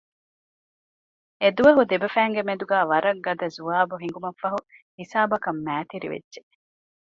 އެދުވަހު ދެބަފައިންގެ މެދުގައި ވަރަށް ގަދަ ޒުވާބު ހިނގުމަށްފަހު ހިސާބަކަށް މައިތިރިވެއްޖެ